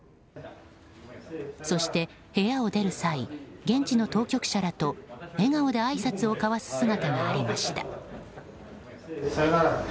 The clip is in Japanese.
そして、部屋を出る際現地の当局者らと笑顔であいさつを交わす姿がありました。